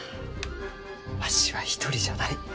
わしは一人じゃない。